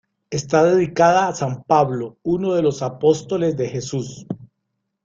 Está dedicada a San Pablo uno de los apóstoles de Jesús.